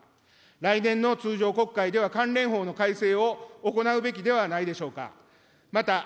来年の通常国会では関連法の改正を行うべきではないでしょうか。